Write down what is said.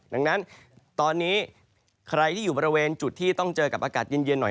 ดังนั้นตอนนี้ใครที่อยู่บริเวณจุดที่ต้องเจอกับอากาศเย็นหน่อย